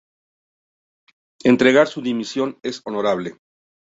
Entregar su dimisión es honorable.